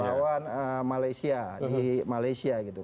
melawan malaysia di malaysia gitu